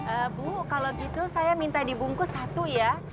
ehm bu kalau gitu saya minta dibungkus satu ya